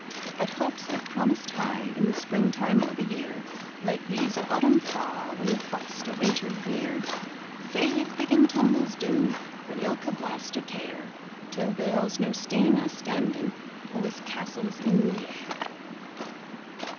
But hopes that promised high In the springtime o' the year, Like leaves o' autumn fa' When the frost o' winter's near. Sae his biggin' tumbles doon, Wi' ilka blast o' care, Till there's no stane astandin' O' his castles in the air.